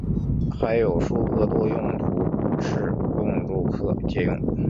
还有数个多用途室供住客借用。